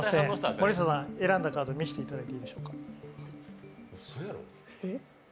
森下さん、選んだカード見せていただいてよろしいでしょうか。